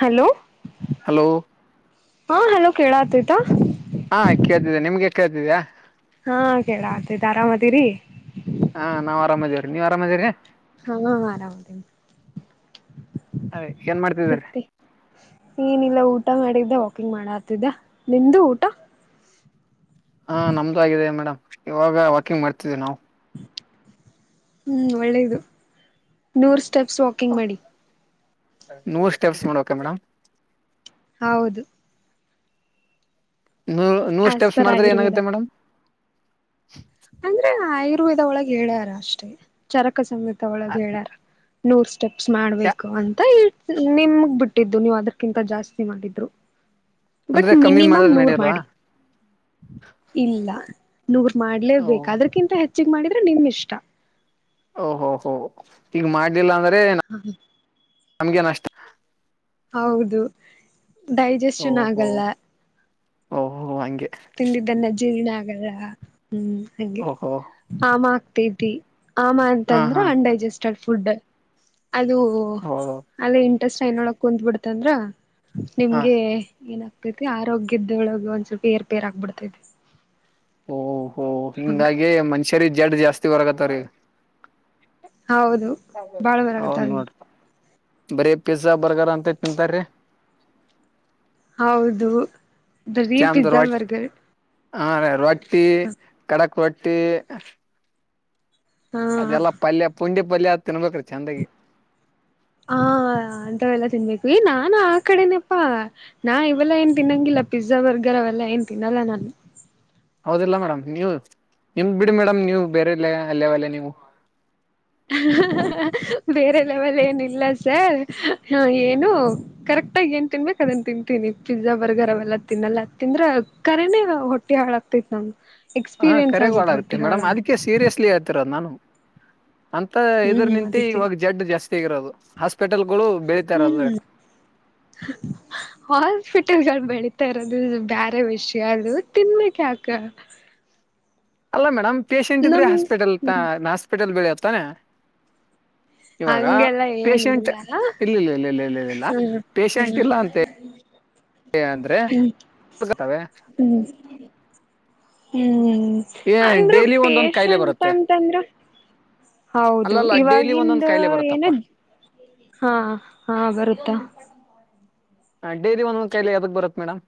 Hello hello ಹಾ hello ಕೇಳ ಆತಯತ ಕೇದ್ದಿದ್ದ ನಿಮ್ಗೆ ಕೇದ್ದಿದೀಾ ಹಾ ಕೇಳ ಆತತೆ ಆರಾಮದೀರಿ ಹಾ ನಾವ್ ಆರಾಮದೇವ್ರೀ ನೀವ್ ಆರಾಮದಿರಿ ಹಾ ಆರಾಮದ ಅದೇ ಏನ್ ಮಾಡ್ತಿದ್ರಿ ಮತ್ತೆ ಏನಿಲ್ಲ ಊಟ ಮಾಡಿದ್ದ ವಾಕಿಂಗ್ ಮಾಡತಿದ್ದ ನಿ್ದ ಊಟ ಹಾ ನಮ್ದು ಆಗಿದೆ ಮೇಡಮ್ ಇವಾಗ ವಾಕಿಂಗ್ ಮಾಡ್ತಿದ್ದ್ವಿ ನಾವು ಹ್ಮ್ ಒಳ್ಳೇದು ನೂರ್ ಸ್ಟೆಪ್ಸ್ ವಾಕಿಂಗ್ ಮಾಡಿ ನೂರ್ ಸ್ಟೆಪ್ಸ್ ಮಾಡಕ ಮೇಡಮ್ ಹೌದು ನೂ ನೂರ್ ಆಸ್ ಸ್ಟೆಪ್ಸ್ ಪರ್ ಮಾಡಿದ್ರೆ ಆಯುರ್ವೇದ ಏನಾಗುತ್ತೆ ಮೇಡಮ್ ಅಂದ್ರೆ ಆಯುರ್ವೇದ ಒಳಗ್ ಹೇಳ್ಯಾರ ಅಷ್ಟೇ ಚರಕ ಸಮೇತ ಒಳಗ ಹೇಳ್ಯಾರ ನೂರ್ ಸ್ಟೆಪ್ಸ್ ಮಾಡ್ಬೇಕು ಅಂತ ಹಳ್ ನಿಮಗ್ ಬಿಟ್ಟಿದ್ದು ನೀವ್ ಅದಕಿಂತ ಜಾಸ್ತಿ ಮಾಡಿದ್ರು ಬಟ್ ಅಂದ್ರೆ ಕಮ್ಮಿ ಮಿನಿಮಮ್ ಮಾಡಿದ್ರೆ ನೂರ್ ನಡೆಯಲ್ವಾ ಮಾಡಿ ಇಲ್ಲ ನೂರ್ ಮಾಡ್ಲೇಬೇಕು ಅದಕ್ಕಿಂತ ಹೆಚ್ಚಗ್ ಮಾಡಿದ್ರೆ ನಿಮ ಇಷ್ಟ ಓಹೋ ಹೋ ಈಗ ಮಾಡ್ಲಿಲ್ಲ ಅಂದ್ರೆ ನಮ್ಗೆ ನಷ್ಟ ಹೌದು ಡೈಜೆಶನ್ ಓಹೋ ಆಗಲ್ಲ ಓಹೋ ಹ ತಿಂದಿದ್ದ ಅನ್ನಾ ಜೀರ್ಣ ಆಗಲ್ಲಾ ಹ್ಮ್ ಹಂಗೆ ಓಹೋ ಆ ಮಾ ಟಿಟಿ ಆಮ ಹಾ ಅಂತಂದ್ರ ಹಾ ಅನ್ಡೈಜೆಸ್ಟೆಡ್ ಫುಡ್ ಅದು ಹೋ ಅಲ್ಲೆ ಇಂಟೆಸ್ಟೈನ್ ಒಳಗ್ ಕುಂತ್ ಬಿಡ್ತಂದ್ರ ಹ ನಿಮ್ಗೆ ಏನಾಗ್ತೈತಿ ಆರೋಗ್ಯದೋಳಗ ಒಂದ್ ಸ್ವಲ್ಪ ಏರ್ಪೇರ್ ಆಗ್ಬಿಡ್ತೈತಿ. ಓಹ ಹೋ ಹಂಗ ಹಿಂಗಾಗಿ ಮನುಷ್ಯರಿಗ್ ಜಡ್ ಜಾಸ್ತಿ ಬರಕತಾವ್ರಿ ಈಗ್. ಹೌದು ಬಾಳ ಹೌದ ಬರಗತ್ತಾವ ನೋಡ್ರಿ. ಬರೀ ಪಿಜ್ಜಾ ಬರ್ಗರ್ ಅಂತ ತಿಂತಾರೀ. ಹೌದು ಬರಿ ಪಿಜ್ಜಾ ಬರ್ಗರ್. ಹ ರಿ ರೊಟ್ಟಿ ಕಡಕ್ ರೊಟ್ಟಿ ಹಾ ಅದೆಲ್ಲಾ ಪಲ್ಯ ಪುಂಡಿ ಪಲ್ಯ ತಿನ್ಬೇಕ್ರೀ ಚಂದಾಗಿ. ಏ ನಾನ್ ಆ ಕಡೆನಪ್ಪಾ ನಾ ಇವೆಲ್ಲ ಏನ್ ತಿನ್ನೊಂಗಿಲ್ಲ ಪಿಜ್ಜಾ ಬರ್ಗರ್ ಅವೆಲ್ಲ ಏನ್ ತಿನ್ನಲ್ಲ ನಾನು. [unintelligible] ಹೌದಿಲ್ಲ ಮೇಡಮ್ ನೀವು ನಿಮ ಬಿಡಿ ಮೇಡಮ್ ನೀವು ಬೇರೆಲ್ಲ ಲ್ಲೇವಲ್ಲೆ ನೀವು. ಹ ಹ ಹ ಬೇರೆ ಲೆವೆಲ್ ಏನ ಇಲ್ಲ ಸರ್ ಹ ಏನು ಕರೆ ಟ್ಟಾಗಿ ಏನ್ ತಿನ್ಬೇಕ ಅದನ್ ತಿಂತೀನಿ ಪಿಜ್ಜಾ ಬರ್ಗರ್ ಅವೆಲ್ಲ ತಿನ್ನಲ್ಲ ತಿಂದ್ರ ಕರೆನೇ ಹೊಟ್ಟಿ ಹಾಳ ಆಗ್ತೈತ್ ನಮ್ ಹ ಎಕ್ಸ್ಪೀರಿಯನ್ಸ್ ಕರೆಗೋಳ ಆಗೇತ್ ಆಗುತ್ತೆ ಹೊಟ್ಟಿ ಮೇಡಮ್ ಹಾಳಾಗಿ. ಅದಕ್ಕೆ ಸೀರಿಯಸ್ಲಿ ಹೇಳ್ತಿರೋದು ನಾನು ಅಂತ ಇದ್ರ ಹ್ಮ್ ನಿಂತ ಅದಕ್ಕೆ ಇವಾಗ ಜಡ್ ಜಾಸ್ತಿ ಆಗಿರೋದು ಹಾಸ್ಪ ಹ್ಮ್ ಹಾಸ್ಪಿಟಲ್ಗ ಅನ್ಬೇಡಿ. ತರದು ಬ್ಯಾರೆ ವಿಷಯ ಅದು ತಿನ್ಬೇಕ್ ಯಾಕ. ಅಲ್ಲ ಮೇಡಮ್ ಪೇಶೆಂಟ್ ಇದ್ರೆ ನಮ್ ಹಾಸ್ಪಿಟಲ್ ತಾ ಹ್ಮ್ ಹಾಸ್ಪಿಟಲ್ ಬೆಳೆಯದ ತಾನೇ. ಇವಾಗಾ ಹಂಗೆಲ್ಲ ಪೇಶಂಟ್ ಏನಿಲ್ಲ ಇಲ್ಲಿಲ್ಲ ಇಲ್ಲಿಇಲ್ಲಾ ಲ್ಲ ಇಲ್ಲಿಲ್ಲ ಹ್ಮ್ ಪೇಶಂಟ್ ಹ್ಮ್ ಇಲ್ಲ ಅಂತ ಏನಂದ್ರೆ [unintelligible] ಆವೆ. ಹ್ಮ್ ಹ್ಮ್ ಅಂದ್ರ ಒಂದೊಂದ್ ಕಾಯಿಲೆ ಪೇಷಂಟ್ ಬರುತ್ತೆ ಅಂತಂದ್ರ ಹೌದು ಅಲ್ಲಲ್ಲ ಡೈಲಿ ಒಂದೊಂದ್ ಇವಾಗಿಂದ ಕಾಯಿಲೆ ಏನ ಬರುತ್ತಪ್ಪ ಹಾ ಹಾ ಬರುತ್ತ. ಹ ಡೇಲಿ ಒಂದೊಂದ ಕೈಲೆ ಎದಕ್ ಬರತ್ತ ಮೇಡಮ್.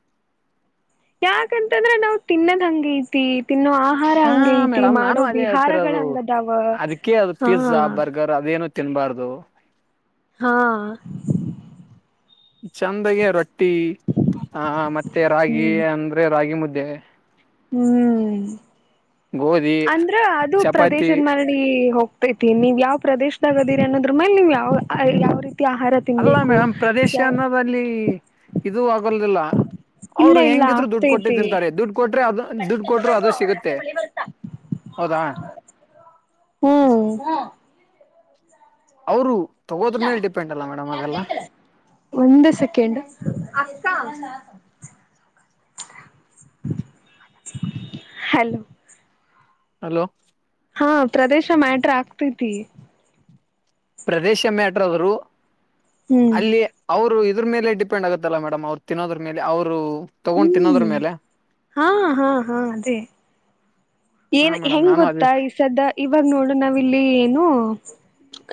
ಯಾಕಂತಂದ್ರ ನಾವ್ ತಿನ್ನದ್ ಹಂಗ ಐತಿ. ತಿನ್ನೋ ಆಹಾರ ಹಾ ಹಂಗೈತಿ ಮೇಡಮ್ ನಾನು ಮಾಡೋ ಅದೇ ವಿಹಾರಗಳ ಹೇಳ್ತಿರೋದು ಹಂಗ ಅದಾವ ಅದಕ್ಕೆ ಅದು ಹಾ. ಪಿಜ್ಜಾ ಬರ್ಗರ್ ಅದೇನು ತಿನ್ಬಾರ್ದು. ಹಾ ಚಂದಗೆ ರೊಟ್ಟಿ ಆ ಮತ್ತೆ ರಾಗಿ ಅಂದ್ರೆ ರಾಗಿ ಮುದ್ದೆ ಯಾಕೆ. ಹ್ಮ್ ಗೋಧಿ ಅಂದ್ರ ಅದು ಚಪಾತಿ ಪ್ರದೇಶದ ಮರಳಿ ಹೋಗ್ತ ತೈತಿ ನೀವು ಯಾವ ಪ್ರದೇಶದಾಗ ಅದೀರಿ ಅನ್ನೋದ್ರ ಮ್ಯಾಲ ನೀವ ಯಾವ ಯಾವ ರೀತಿ ಆಹಾರ ಅಲ್ಲ ತಿನ್ಬೇಕು ಮೇಡಮ್ ಪ್ರದೇಶ ಅನ್ನೋದಲ್ಲಿ ಇದೂ ಆಗೊಲ್ದಿಲ್ಲ. ಇಲ್ಲ ಅವ್ರು ಇಲ್ಲ ಹೆಂಗಿದ್ರು ದುಡ್ಡು ಕೊಟ್ಟಿ ಆಗ್ತೈತಿ ತಿಂತಾರೆ ದುಡ್ಡು ಕೊಟ್ರೆ ಅದು ದುಡ್ಡ ಕೊಟ್ರು ಅದು ಸಿಗುತ್ತೆ ಹೌದಾ. ಹ್ಮ್ ಅವ್ರು. ಒಂದೇ ಸೆಕೆಂಡ್ ಅಕ್ಕಾ. [unintelligible] ಹೆಲೋ. ಹಲೋ ಹಾ ಪ್ರದೇಶ ಮ್ಯಾಟ್ರ ಆಗ್ತೈತಿ. ಪ್ರದೇಶ ಮ್ಯಾಟ್ರ ಆದ್ರೂ ಹ್ಮ್ ಅಲ್ಲಿ ಅವರು ಇದ್ರ ಮೇಲೆ ಡಿಪೆಂಡ್ ಆಗುತ್ತಲ್ಲ ಮೇಡ್ ಅವ್ರು ತಿನ್ನೋದ್ರ ಮೇಲೆ ಅವರು ತಗೊಂಡ್ ತಿನ್ನೋದ್ರ ಹ್ಮ್ ಮೇಲೆ ಹಾ ಹಾ ಹಾ ಅದೇ. ಹಾ ಏನ್ ಮೇಡಮ್ ಹೆಂಗ್ ನಾನು ಅದೇ ಗೊತ್ತಾ ಈ ಸದ್ದ ಇವಾಗ ನೋಡು ನಾವ್ ಇಲ್ಲಿ ಏನು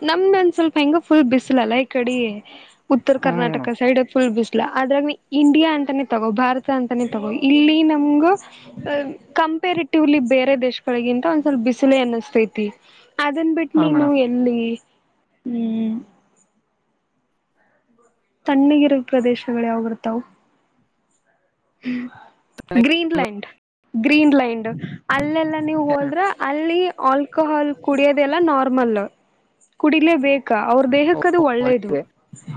ನಮ್ದೊಂದ್ ಸ್ವಲ್ಪ ಹೆಂಗ ಫುಲ್ ಬಿಸಿಲಲ್ಲ ಈಕಡಿ. ಉತ್ತರ ಹ್ಮ್ ಕರ್ನಾಟಕ ಸೈಡ್ ಫುಲ್ ಬಿಸಿಲು. ಅದರಾಗ ಇಂಡಿಯಾ ಅಂತಾನೆ ತಗೋ ಭಾರತ ಅಂತಾನೆ ತೊಗೊ ಇಲ್ಲಿ ನಮಗ ಕಂ ಪೆರೇಟಿವೆಲಿ ಬೇರೆ ದೇಶಗಳಿಗಿಂತ ಒಂದ್ ಸ್ವಲ್ಪ ಬಿಸಿಲಿ ಅನ್ನಸ್ತೈತಿ ಅದನ್ ಬಿಟ್ಟು ಹಾ ನೀನು ಮೇಡಮ್ ಎಲ್ಲಿ. ಹ್ಮ್. ತಣ್ಣಗಿರ ಪ್ರದೇಶಗಳು ಯಾವ ಬರ್ತಾವು. ಗ್ರೀನ್ಲ್ಯಾಂಡ್ ಗ್ರೀನ್ಲ್ಯಾಂಡ್ ಅಲ್ಲಿ ಎಲ್ಲಾ. ನೀವ ಹೋದ್ರ ಅಲ್ಲಿ ಆಲ್ಕೋಹಾಲ್ ಕುಡಿಯೋದೆಲ್ಲ ನಾರ್ಮಲ್ ಕುಡಿಲೇಬೇಕ. ಕ ಅವರ್ ದೇಹಕ್ಕದು ಒಳ್ಳೇದು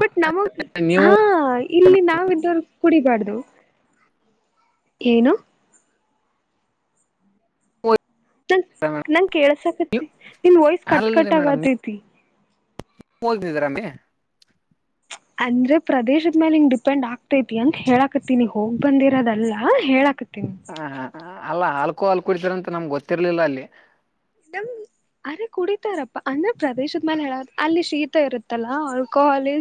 ಬಟ್ ನಮಗ ನೀವು ಹಾ ಇಲ್ಲಿ ನಾವ ಇದ್ದವರ [unintelligible] ಕುಡಿಬಾರ್ದು. ಏನು. ನಂಗ್ ನಂಗ ಕೇಳ್ಸಕತಿ ನಿನ್ ವಯ್ಸ್ ಕಟ್ ಕಟ್ ಆಗತೈತಿ. ಓದಿದ್ರ [unintelligible] ಅಂದ್ರೆ ಪ್ರದೇಶದ ಮೇಲೆ ಹಿಂಗ ಡಿಪೆಂಡ್ ಆಗ್ತೈತಿ ಅಂತ ಹೇಳಾಕತ್ತಿನಿ ಹೋಗ್ ಬಂದಿರೋದಲ್ಲ ಹೇಳಾಕತ್ತಿ. ಹ ಹ ಅಲ್ಲಾ ಆಲ್ಕೋಹಾಲ್ ಕುಡಿಸಿರ ಅಂತ ನಮ್ಗ ಗೊತ್ತಿರ್ಲಿಲ್ಲ ಅಲ್ಲಿ. [unintelligible] ಅರೆ ಕುಡಿತಾರಪ್ಪಾ ಅಂದ್ರ ಪ್ರದೇಶದ ಮೇಲೆ ಹೇಳ ಅಲ್ಲಿ ಶೀತ ಇರುತ್ತಲ್ಲ ಆಲ್ಕೋ ಹಾಲ್ ಲಿ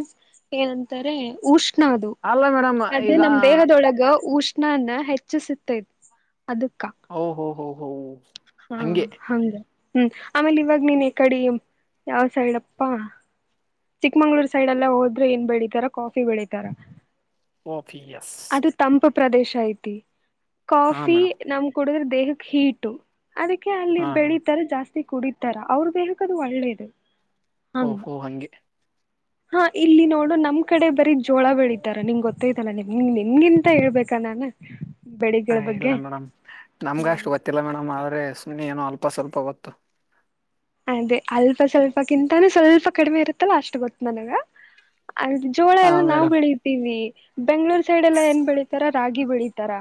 ಏನಂತಾರೆ ಉಷ್ಣ ಅದು ಅಲ್ಲ ಮೇಡಮ್ ಅದು ಈಗ ನಮ್ ದೇಹದೊಳಗ ಉಷ್ಣ ನಾನ ಹೆಚ್ಚಿಸುತ್ತೆ. ಓ ಹೊೋ ಹ ಹೋ. ಹಾ ಹಂಗೆ ಹಂಗ. ಹ್ಮ್ ಆಮೇಲೆ ಇವಾಗ ನೀನ್ ಕಡೆ ಯಾವ್ ಸೈಡ್ ಅಪ್ಪ. ಚಿಕ್ಕಮಂಗ್ಳೂರ್ ಸೈಡ್ಲ್ಲ ಹೋದ್ರೆ ಏನ್ ಬೆಳಿತಾರ ಕಾಫಿ ಬೆಳೀತಾರ. ಕಾಫ್ ಎಸ್. ಪ್ರದೇಶ ಐತಿ ಹಾ ಕಾಫಿ ಮೇಡಮ್ ನಮ್ ಕುಡುದ್ರೆ ದೇಹಕ್ಕೆ ಹೀಟು. ಅದಕ್ಕೆ ಅಲ್ಲಿ ಹಾ ಹಾ ಬೆಳಿತಾರ ಜಾಸ್ತಿ ಕುಡಿತಾರ ಅವ್ರ ದೇಹಕ್ಕೆ ಅದು ಒಳ್ಳೇದು. ಹಂಗ ಓಹೋ ಹಂಗೆ. ಹಾ ಇಲ್ಲಿ ನೋಡು ನಮ್ ಕಡೆ ಬರೀ ಜೋಳ ಬೆಳೀಿತಾರ ನಿನ್ ಗೊತ್ತೈ್ತಲ್ಲಾ ನಿಮ ನಿಮ್ಗಿಂತ ಹೇಳ್ಬೇಕಾ ನಾನ್. [unintelligible] ಹ ಇಲ್ಲ ಮೇಡಮ್ ನಮ್ಗ ಅಷ್ಟು ಗೊತ್ತಿಲ್ಲ ಮೇಡಮ್ ಆದ್ರೆ ಸುಮ್ನೆ ಏನೋ. ಅಲ್ಪ ಸ್ವಲ್ಪ ಗೊತ್ತು. ಅದೇ ಅಲ್ಪ ಸ್ವಲ್ಪಕ್ಕಿಂತಾನೂ ಸ್ವಲ್ಪ ಕಡಿಮೆ ಇರುತ್ತಲ್ಲ ಅಷ್ಟು ಗೊತ್ತು ನನಗ. ಅ ಜೋಳ ಹಾ ಎಲ್ಲ ನಾವವು ಮೇಡಮ್ ಬೆಳಿತೀವಿ ಬೆಂಗ್ಳೂರ್ ಸೈಡ್ ಎಲ್ಲ ಏನ್ ಬೆಳೀತಾರ ರಾಗಿ. ಗಿ ಬೆಳಿತಾರ.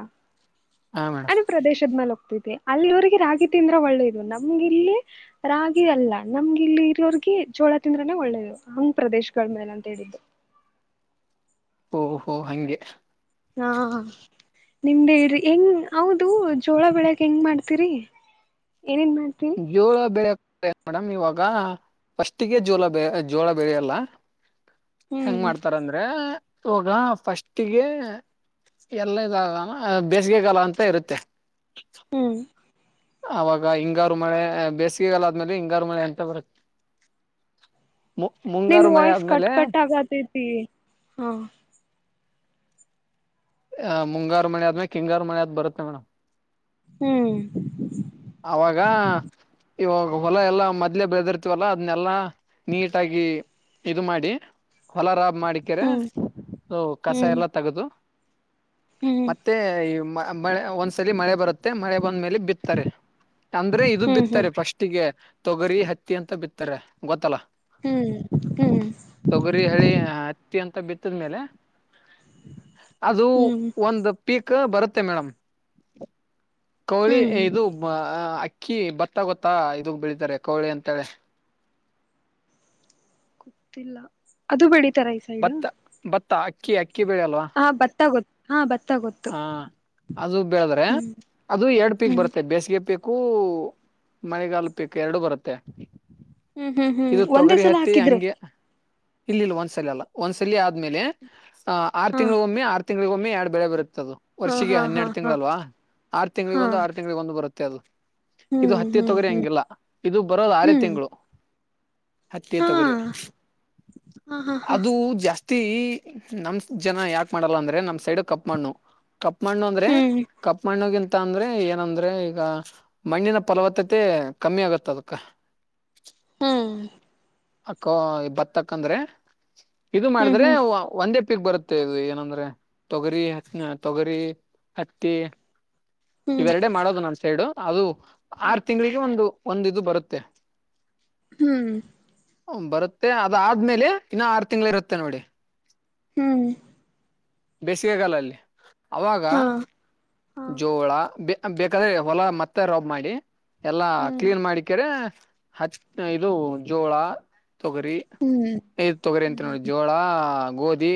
ಹಾ ಅದ ಮೇಡಮ್ ಪ್ರದೇಶದ್ ಮೈಲ [unintelligible] ಅಲ್ಲಿವರಿಗೆ ರಾಗಿ ತಿಂದ್ರೆ ಒಳ್ಳೇದು ನಮ್ಗೆ ಇಲ್ಲಿ ರಾಗಿ ಅಲ್ಲ ನಮ್ಗೆ ಇಲ್ಲಿ ಇರೋರಿಗ. ಗಿ ಚೋಳ ತಿಂದ್ರನೆ ಒಳ್ಳೇದು ಹಂಗ್ ಪ್ರದೇಶಗಳ ಮೇಲೆ ಅಂತ ಹೇಳಿದ್ದು. ಓಹೋ ಹಂಗೆ. [unintelligible] ನಿಮ್ದೇ ಇಡ್ರಿ ಹೆಂಗ ಹೌದು ಜೋಳ ಬೆಳಕ್ ಹೆಂಗ್ ಮಾಡ್ತೀರಿ. ಏನೇನ್ ಮಾಡ್ತೀವಿ ಜೋಳ ಬೆಳಕ್. ಏನ ಮೇಡಮ್ ಇವಾಗ ಫಸ್ಟಿಗೆ ಜೋಳ ಜೋಳ ಬೆಳಿಯಲ್ಲ. ಹೆಂಗ್ ಹ್ಮ್ ಮಾಡ್ತಾರ ಅಂದ್ರೆ ಇವಾಗ ಫಸ್ಟಿಗೆ. ಎಲ್ಲ [unintelligible] ಬೇಸಿಗೆಗಾಲ ಅಂತ ಇರುತ್ತೆ. ಹ್ಮ್. ಅವಾಗ ಹಿಂಗಾರು ಮಳೆ ಬೇಸಿಗೆಗಾಲ ಆದ್ಮೇಲೆ ಹಿಂಗಾರು ಮಳೆ ಅಂತ ಬರುತ್ತೆ. [inaudible] ನಿನ್ ಮುಂಗಾರು ಮಳೆ ವಾಯ್ಸ್ ಕಟ್ ಆದ್ಮೇಲೆ ಕಟ್ ಆಗತೈತಿ ಹಾ. ಹ ಮುಂಗಾರು ಮಳೆ ಆದ್ಮೇಲೆ ಕಿಂಗಾರು ಮಳೆ ಆದ್ ಬರುತ್ತೆ ಮೇಡಮ್. ಹ್ಮ್. ಅವಾಗ. ಇವಾಗ ಹೊಲ ಎಲ್ಲಾ ಮೊದ್ಲೆ ಬೆಳೆದಿರ್ತವಲ್ಲ ಅದನ್ನೆಲ್ಲಾ ನೀಟಾಗಿ ಇದು ಮಾಡಿ ಹೊಲ ರಾಬ್ ಮಾಡಿಕ್ಕೆರೆ ಹ್ಮ್ ಕಸ ಹ್ಮ್ ಎಲ್ಲ ತಗದು ಹ್ಮ್ ಮತ್ತೆ ಮ ಮಳೆ ಒಂದ್ಸಲಿ ಮಳೆ ಬರುತ್ತೆ ಮಳೆ ಬಂದ್ಮೇಲೆ ಬಿತ್ತಾರೆ ಅಂದ್ರೆ ಇದು ಹ್ಮ್ ಹ್ಮ್ ಬಿತ್ತಾರೆ ಫಸ್ಟಿಗೆ ತೊಗರಿ ಹತ್ತಿ ಅಂತ ಬಿತ್ತಾರೆ ಗೊತ್ತಲ್ಲ ಹ್ಮ್ ಹ್ಮ್ ತೊಗರಿ ಹಳಿ ಹ ತ್ತಿ ಬಿತ್ತದ್ಮೇಲೆ ಅದು ಹ್ಮ್ ಒಂದು ಪೀಕ್ ಬರುತ್ತೆ ಮ್ಯಾಮ್ ಕೋಳಿ ಹ್ಮ್ ಇದು ಅ ಕ್ಕಿ ಭತ್ತ ಗೊತ್ತಾ ಇದಂಗ ಬೆಳಿತಾರೆ ಕೌಳೆ ಅಂತಳೆ ತಿಲ್ಲ ಅದು ಬೆಳಿತರ ಈ ಸೈಡ್ ತಾಕಿಯ ಹಾ ಭತ್ತ ಗೊತ್ತು ಹಾ ಭತ್ತ ಗೊತ್ತು ಹ ಅದು ಬೆಳದ್ರೆ ಹ್ಮ್ ಅದು ಎರಡ್ ಪೀಕ್ ಹ್ಮ್ ಬರುತ್ತೆ ಬೇಸಿಗೆ ಪೀಕ್ ಕ್ಕೂ ಮನೆಗಲ್ಪು ಎರಡು ಬರುತ್ತೆ ಹ್ಮ್ ಹ್ಮ್ ಹ್ಮ್ ಇದು ಒಂದೇ ತೊಗರಿ ಸಲ ಹತ್ತಿ ಹಾಕಿದ್ರೆ ಹೆಂಗೆ ಇಲ್ಲಿ ಇಲ್ಲ ಒಂದ್ ಸಲಿ ಅಲ್ಲ ಒಂದ್ ಸಲ ಆದ್ಮೇಲೆ ಆಹ್ ಆರು ಹಾ ತಿಂಗಳಿಗ ಒಮ್ಮೆ ಆರು ತಿಂಗಳಳಗ ಒಮ್ಮೆ ಎರಡು ಬೆಳೆ ಬರುತ್ತೆ ದು ಹಾ ವರ್ಷಿಗೆ ಹಾ ಹಾ ಹನ್ನೆರಡು ಹಾ ತಿಂಗಳಲ್ವಾ ಆರ್ ಹಾ ತಿಂ್ಗಳಿಗೊಂದು ಆರು ತಿಂ್ಗಳಿಗೊಂದು ಬರುತ್ತೆ ಅದು ಇದು ಹ್ಮ್ ಹತ್ಯೆ ಹ್ಮ್ ತೊಗರಿ ಹ್ಮ್ ಹಂಗಿಲ್ಲ ಇದು ಬರೋಲ್ಲ ಆರೇ ಹ್ಮ್ ತಿಂಗಳು ಹತ್ತಿ ಹಾ ತೊಗರಿ ಹಾ ಹಾ ಹಾ ಅದು ಜಾಸ್ತಿ ಹತ್ತಿ ನಮ್ ಜನ ಯಾಕೆ ಮಾಡಲ್ಲ ಅಂದ್ರೆ ನಮ್ ಸೈಡ ಕಪ್ ಮಣ್ಣು ಕಪ್ಪ್ಮಣ್ಣು ಅಂದ್ರೆ ಹ್ಮ್ ಕಪ್ಮಣ್ಣುಗಿಂತ ತ್ತ ಅಂದ್ರೆ ಏನಂದ್ರೆ ಈಗ ಮಣ್ಣಿನ ಫಲವತ್ತತೆ ಕಮ್ಮಿ ಆಗತ್ತ ಅದಕ್ಕ ಹ್ಮ್ ಅಕ್ಕೋ ಬತ್ತಕ್ಕಂದ್ರೆ ಇದು ಮಾಡಿದ್ರೆ ಒಂದೇ ಉಪ್ಪಿಕ್ ಬರುತ್ತೆ ಇದು ಏನಂದ್ರೆ ತೊಗರಿ ತೊಗರಿ ಹತ್ತಿ ಹ್ಮ್ ಇವೆರಡೆ ಮಾಡೋದು ನಮ್ ಸೈಡು ಅದು ಆರು ತಿಂಗಗಳಿಗೆ ಒಂದು ಒಂದ ಇದು ಬರುತ್ತೆ ಹ್ಮ್ ಬರುತ್ತೆ ಅದ ಆದ್ಮೇಲೆ ಇನ್ನ ಆರು ತಿಂಗಳು ಇರುತ್ತೆ ನೋಡಿ ಹ್ಮ್ ಬೇಸಿಗೆಗಾಲಲ್ಲಿ ಅವಾಗ ಹಾ ಹಾ ಜೋ ಆ ಬೆ ಬೇಕಾದ್ರೆ ಹೊಲ ಮತ್ತೆ ರೊಬ್ ಮಾಡಿ ಎಲ್ಲಾ ಹ್ಮ್ ಕ್ಲೀನ್ ಮಾಡಿಕ್ಳಿ ಹಚ್ ಇದು ಜೋಳ ತೊಗರಿ ಹ್ಮ್ ಐದ ತೊಗರಿ ಅಂತ ಹ್ಮ್ ಹ್ಮ್ ನೋಡಿ ಜೋಳ ಗೋಧಿ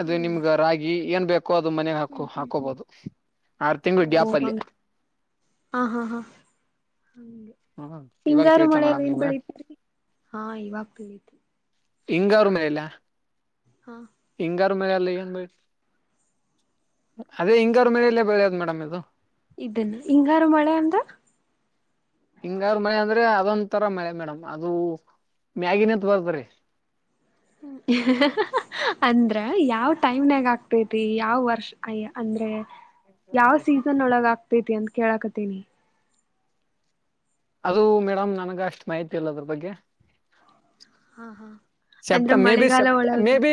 ಅದು ಹ್ಮ್ ನಿಮ್ಗ ರಾಗಿ ಏನ್ ಬೇಕೋ ಅದು ಮನೆಗ್ ಹಾಕೋ ಹ್ಮ್ ಹ್ಮ್ ಹಾಕೋಬೋದು ಆರು ತಿಂಗಳುಡ್ಯಾಪಲ್ಯಿ ಹ ಹಾ ಹಾ ಹಂಗೆ ಹ್ಮ್ ಇವಾಗ ಹಿಂಗಾರು ತಿಳ್ತ ಮಳೆಯಲ್ಲಿ ಮೇಡಮ್ ಏನ್ ನೀವ ಬೆಳಿತಿರೀ ಹಾ ಇವಾಗ ತಿಳೀತು ಹಿಂಗ ಅವ್ರ ಮೇಲೆ ಹಾ ಹಿಂಗಾರು ಮರಲ್ಲ ಬೆ ಅದೇ ಹಿಂಗ್ರ ಮೇಲಲೆ ಬೆಳೆಯೋದು ಮೇಡಮ್ ಇದು ಇದನ್ನ ಹಿಂಗಾರು ಮಳೆ ಅಂದ್ರ ಹಿಂಗಾರ ಮಳೆ ಅಂದ್ರೆ ಅದೊಂದ ತರ ಮಳೆ ಮೇಡಮ್ ಅದು ಮ್ಯಾಗಿಿನಂತ ಬರ್ತಾರೆ ಅಂದ್ರ ಯಾವ್ ಟೈಮ್ನನಾಗ ಆಗ್ತತಿ ಯಾವ್ ವರ್ಷ ಅಯ ಅಂದ್ರೆ ಯಾವ ಸೀಸನ್ ಒಳಗ ಆಗ್ತೈತಿ ಅಂತ ಕೇಳಕತೇನಿ ಅದು ಮೇಡಮ್ ನನ್ಗ ಅಷ್ಟು ಮಾಹಿತಿ ಇಲ್ಲ ಅದ್ರ ಬಗ್ಗೆ ಹಾ ಹಾ ಸೆಪ್ಟ ಅಂದ್ರ ಮೇ ಬಿ ಮಳೆಗಾಲ ಸೆಪ್ಟ ಒಳಗ ಮೇ ಬಿ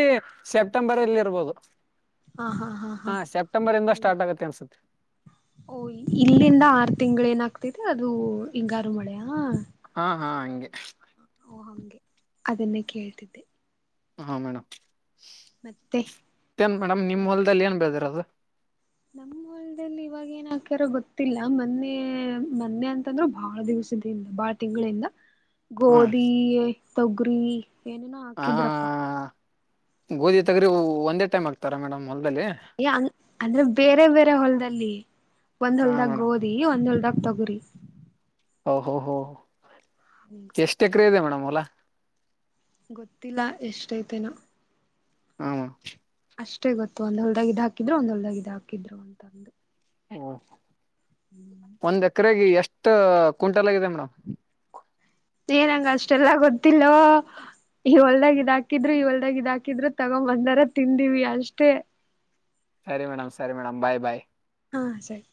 ಸೆಪ್ಟೆಂಬರ್ ಎಲ್ಲಿ ಇರ್ಬೋದು ಹಾ ಸೆಪ್ಟೆಂಬರ್ ಇಂದ ಸ್ಟಾರ್ಟ್ ಆಗತ್ತೆ ಅನ್ಸುತ್ತೆ ಓ ಇಲ್ಲಿಂದ ಆರು ತಿಂಗಳ ಏನಾಗ್ತತಿ ಅದು ಹಿಂಗಾರು ಮಳೆಯ ಹಾ ಹಾ ಹಂಗೆ ಓ ಹಂಗೆ ಅದನ್ನೇ ಕೇಳ್ತಿದ್ದೆ ಹಾ ಮೇಡಮ್ ಮತ್ತೆ ಏನ್ ಮೇಡಮ ನಿಮ್ಮ್ ಹೊಲದಲ್ಲಿ ಏನ್ ಬೆಳೆದಿರೋದು ನಮ್ಮ್ ಹೊಲ್ದಲ್ಲಿ ಇವಾಗ ಏನ್ ಹಕ್ಯಾರೋ ಗೊತ್ತಿಲ್ಲ ಮೊನ್ನೆ ಮೊನ್ನೆ ಅಂತಂದ್ರು ಬಾಳ ದಿವಸ ಬಾಳ ತಿಂಗಳಿಂದ ಹಾ ಗೋಧಿ ತೊಗರಿ ಏನೇನ ಆ ಹಾಕಿದ್ರಪ್ಪಾ ಗೋಧಿ ತೊಗರಿ ಒಂದೇ ಟೈಮ್ ಆಗ್ತಾರ ಮೇಡಮ್ ಹೊಲ್ದಲ್ಲಿ ಅ ಅಂದ್ರೆ ಬೇರೆ ಬೇರೆ ಹೊಲದಲ್ಲಿ ಒಂದ್ ಹಾ ಹಲ್ದಾಗ ಮೇಡಮ್ ಗೋಧಿ ಒಂದ್ ಹಲ್ದಾಗ ತೊಗರಿ ಓಹೋ ಹೋ ಎಷ್ಟ ಎಕ್ರ ಇದೆ ಮೇಡಮ್ ಹೊಲ ಗೊತ್ತಿಲ್ಲ ಎಷ್ಟೈತೆನಾ ಆಮ ಅಷ್ಟೇ ಗೊತ್ತು ಒಂದೊಳದಾಗಿದ್ದ ಹಾಕಿದ್ರು ಒಂದೊಳದಾಗಿದ್ದ ಹಾಕಿದ್ರು ಅಂತಂದು ಹ ಒಂದ್ ಎಕರೆಗೆ ಎಷ್ಟ ಕ್ಂಟಲ್ ಆಗಿದೆ ಮೇಡಮ್ ಏನಂಗ ಅಷ್ಟೆಲ್ಲಾ ಗೊತ್ತಿಲ್ಲ ಇ ಒಲ್ದಾಗ ಇದ್ ಹಾಕಿದ್ರು ಇ ಒಲ್ದಾಗ್ ಇದ್ ಹಾಕಿದ್ರು ತಗೊಂಬಂದಾರ ತಿಂದಿವಿ ಅಷ್ಟೇ ಸರಿ ಮೇಡಮ್ ಸರಿ ಮೇಡ್ ಬಾಯ್ ಬಾಯ್ ಹಾ ಸರಿ